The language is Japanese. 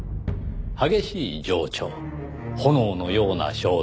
激しい情緒炎のような衝動。